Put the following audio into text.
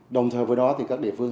đồng thời với đó thì các địa phương